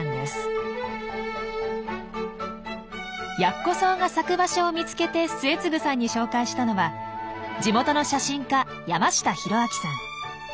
ヤッコソウが咲く場所を見つけて末次さんに紹介したのは地元の写真家山下大明さん。